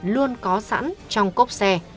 luôn có sẵn trong cốc xe